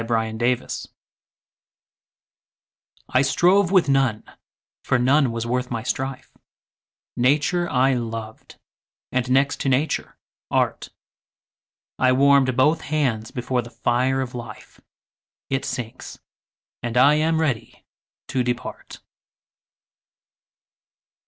9 Autoplay I strove with none, for none was worth my strife: Nature I loved, and, next to Nature, Art: I warm'd both hands before the fire of Life; It sinks; and I am ready to depart.